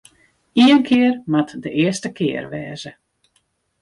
Ien kear moat de earste kear wêze.